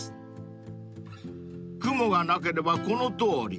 ［雲がなければこのとおり］